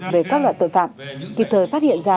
về các loại tội phạm kịp thời phát hiện ra